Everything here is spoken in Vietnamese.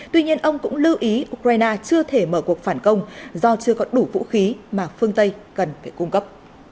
tuy nhiên ông cũng lưu ý ukraine chưa thể mở cuộc phản công do chưa có đủ vũ khí mà phương tây cần phải cung cấp